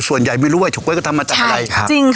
ส่วนใหญ่ไม่รู้ว่าเฉาก๊วก็ทำมาจากอะไร